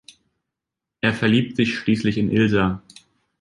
Er verliebt sich schließlich in Ilsa.